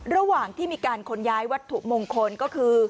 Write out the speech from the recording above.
ระหว่างที่มีการค้นย้ายวัตถุมงคลก็คือ